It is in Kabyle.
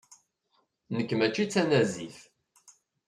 Nekk mačči d tanazit.